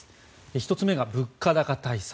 １つ目が物価高対策。